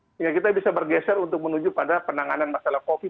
sehingga kita bisa bergeser untuk menuju pada penanganan masalah covid